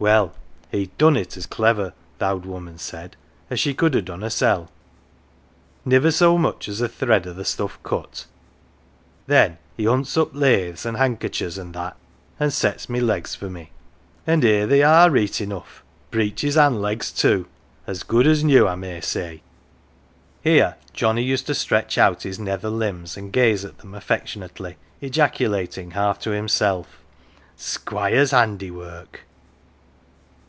" Well, he'd done it as clever, th' owd woman said, as she could ha' done hersel'. Niver so much as a thread o' th' stuff cut. Then he hunts up laths, an' handker chers, an' that, an' sets my legs for me. An' here they 188 OF THE WALL are, reet enough, breeches an 1 legs too as good as new, I may say !" Here Johnnie used to stretch out his nether limbs and gaze at them affectionately, ejaculating half to himself " Squire's handiwork